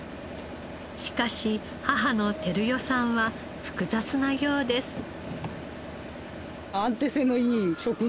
しかし母の照代さんは複雑なようです。